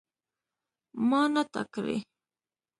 ما نه تا کړی.